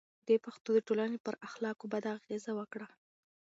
دې پېښو د ټولنې پر اخلاقو بده اغېزه وکړه.